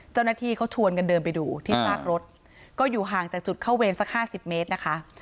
เจ้าหน้าที่เขาชวนกันเดินไปดูที่ซากรถก็อยู่ห่างจากจุดเข้าเวรสักห้าสิบเมตรนะคะ